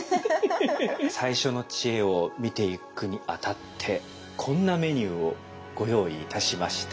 最初の知恵を見ていくにあたってこんなメニューをご用意いたしました。